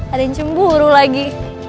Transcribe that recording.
ada yang cemburu lagi